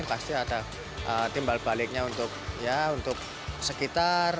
pasti ada timbal baliknya untuk sekitar